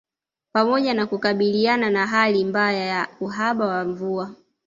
Pamoja na kukabiliana na hali mbaya ya uhaba wa mvua